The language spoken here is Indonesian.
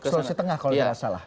sulawesi tengah kalau tidak salah